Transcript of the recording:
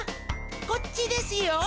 こっちですよ。